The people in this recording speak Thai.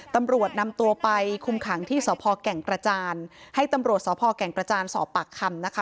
ตำรวจนำตัวไปคุมขังที่สพแก่งกระจานให้ตำรวจสพแก่งกระจานสอบปากคำนะคะ